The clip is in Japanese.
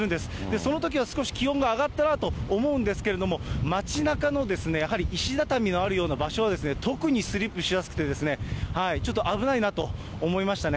そのときは少し気温が上がったなと思うんですけれども、街なかのやはり石畳のあるような場所は、特にスリップしやすくて、ちょっと危ないなと思いましたね。